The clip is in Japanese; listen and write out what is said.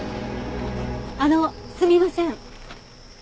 あのすみません。